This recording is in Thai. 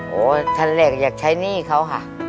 ท่านแรกอยากใช้หนี้เขาค่ะ